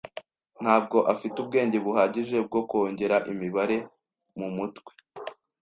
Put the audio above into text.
Ntabwo afite ubwenge buhagije bwo kongera imibare mumutwe.